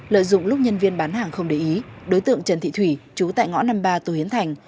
lợi dụng lúc nhân viên bán hàng không để ý đối tượng trần thị thủy chú tại ngõ năm mươi ba tô hiến thành